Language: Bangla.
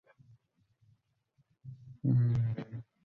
যেসব পরিবার দরদাম করতে চাইছে না, তারা সরাসরি ঢুকে পড়ছেন বিভিন্ন শপিং মলে।